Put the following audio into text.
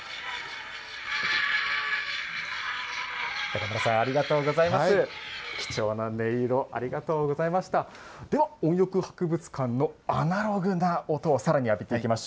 中村さん、ありがとうございます。